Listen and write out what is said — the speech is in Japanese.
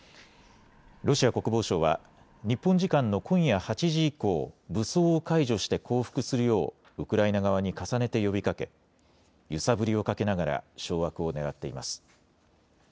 ロシア国防省は日本時間の今夜８時以降、武装を解除して降伏するようウクライナ側に重ねて呼びかけ揺さぶりをかけながら掌握をねらっています。